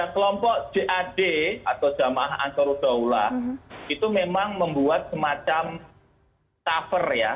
kelompok jad atau jamaah ansarul daulah itu memang membuat semacam cover ya